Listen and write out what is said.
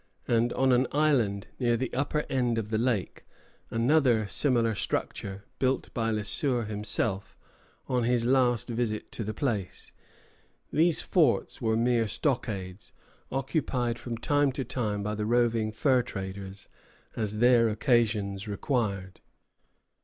] and on an island near the upper end of the lake, another similar structure, built by Le Sueur himself on his last visit to the place. These forts were mere stockades, occupied from time to time by the roving fur traders as their occasions required.